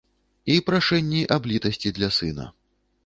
І прашэнні аб літасці для сына.